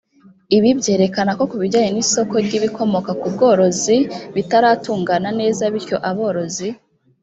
ibi byerekana ko ibijyanye n’isoko ry’ibikomoka ku bworozi bitaratungana neza bityo aborozi